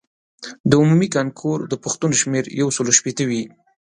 د عمومي کانکور د پوښتنو شمېر یو سلو شپیته وي.